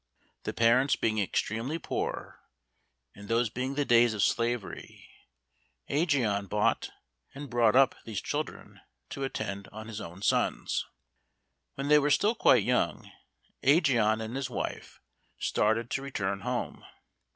The parents being extremely poor, and those being the days of slavery, Ægeon bought and brought up these children to attend on his own sons. When they were still quite young, Ægeon and his wife started to return home.